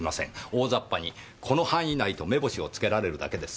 大雑把にこの範囲内と目星をつけられるだけです。